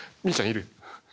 いる。